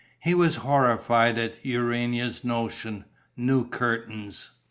He was horrified at Urania's notion: new curtains!